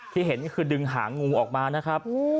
ที่เห็นคือดึงหางูออกมานะครับ